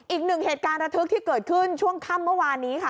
อีกหนึ่งเหตุการณ์ระทึกที่เกิดขึ้นช่วงค่ำเมื่อวานนี้ค่ะ